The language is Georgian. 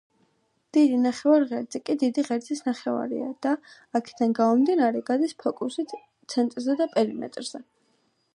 დიდი ნახევარღერძი კი დიდი ღერძის ნახევარია და, აქედან გამომდინარე, გადის ფოკუსით ცენტრზე და პერიმეტრზე.